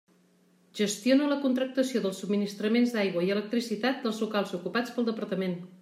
Gestiona la contractació dels subministraments d'aigua i electricitat dels locals ocupats pel Departament.